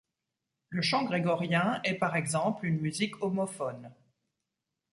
Le chant grégorien est par exemple une musique homophone.